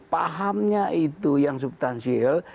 pahamnya itu yang subtansial